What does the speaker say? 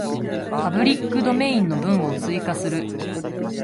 パブリックドメインの文を追加する